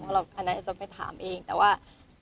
อันนั้นจะไปถามเองแต่ว่า